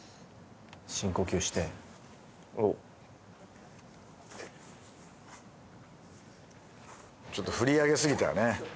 深呼吸しておっちょっと振り上げすぎたよね